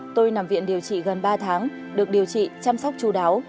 tôi nằm viện điều trị gần ba tháng được điều trị chăm sóc chú đáo